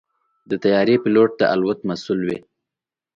د طیارې پيلوټ د الوت مسؤل وي.